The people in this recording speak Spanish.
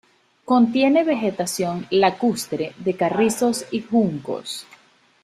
Contiene vegetación lacustre de carrizos y juncos.